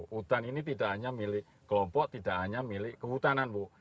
hutan ini tidak hanya milik kelompok tidak hanya milik kehutanan bu